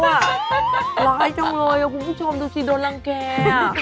ร้ายจังเลยคุณผู้ชมดูสิโดนรังแก่